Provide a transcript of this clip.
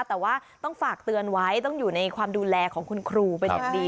แต่ว่าต้องฝากเตือนไว้ต้องอยู่ในความดูแลของคุณครูเป็นอย่างดี